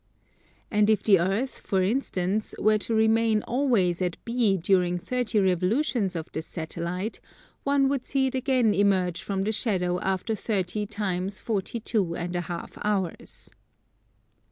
And if the Earth, for instance, were to remain always at B during 30 revolutions of this Satellite, one would see it again emerge from the shadow after 30 times 42 1/2 hours.